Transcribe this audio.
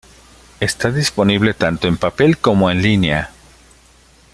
Está disponible tanto en papel como en línea.